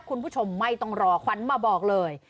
คุณผู้ชมไม่ต้องรอขวัญมาบอกเลย